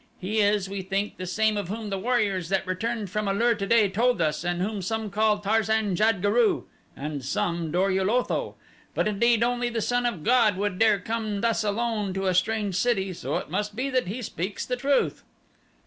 He is, we think, the same of whom the warriors that returned from A lur today told us and whom some call Tarzan jad guru and some Dor ul Otho. But indeed only the son of god would dare come thus alone to a strange city, so it must be that he speaks the truth."